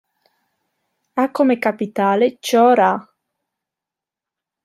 Ha come capitale Cho Ra.